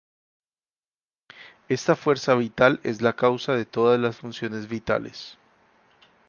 Esta fuerza vital es la causa de todas las funciones vitales.